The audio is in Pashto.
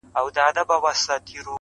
خره په خیال کی د شنېلیو نندارې کړې -